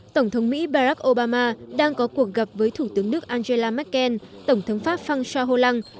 tổng thống mỹ barack obama đang có cuộc gặp với thủ tướng đức angela merkel tổng thống pháp phan xa hồ lăng